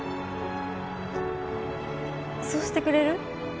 そうしてくれる？